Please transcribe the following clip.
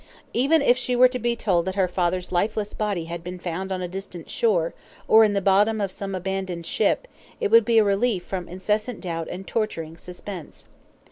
Even if she were to be told that her father's lifeless body had been found on a distant shore, or in the bottom of some abandoned ship, it would be a relief from incessant doubt and torturing suspense.